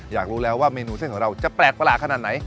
อยากรู้แล้วว่าเมนูเส้นของเราจะแปลกประหลาดขนาดไหน